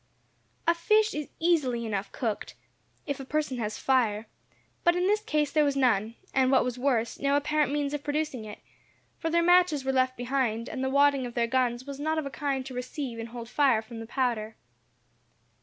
A fish is easily enough cooked, if a person has fire; but in this case there was none, and what was worse, no apparent means of producing it, for their matches were left behind, and the wadding of their guns was not of a kind to receive and hold fire from the powder.